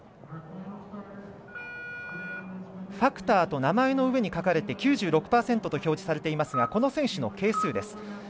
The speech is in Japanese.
ファクターと名前の上に書かれて９６％と表示されていますがこの選手の係数です。